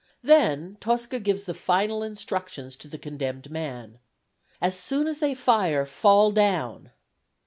Then Tosca gives the final instructions to the condemned man. "As soon as they fire, fall down."